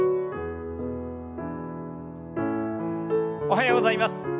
おはようございます。